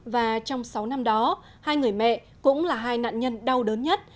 và trong sáu năm đó hai người mẹ cũng là hai nạn nhân đau đớn nhất